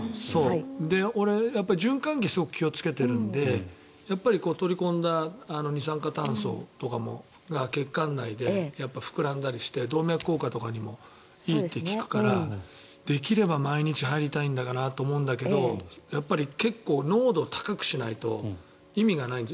俺、循環器にすごく気をつけているので取り込んだ二酸化炭素とかが血管内で膨らんだりして動脈硬化とかにもいいと聞くからできれば毎日入りたいんだがなと思うんだけど結構、濃度を高くしないと意味がないんです。